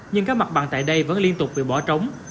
nhưng các mặt bằng tại đây vẫn liên tục bị bỏ trống